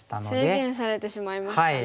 制限されてしまいましたね。